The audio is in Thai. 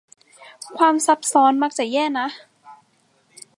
ความซับซ้อนมักจะแย่นะ